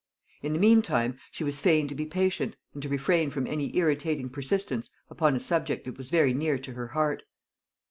In the meantime she was fain to be patient, and to refrain from any irritating persistence upon a subject that was very near to her heart.